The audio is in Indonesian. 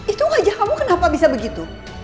itu wajah kamu kenapa bisa begitu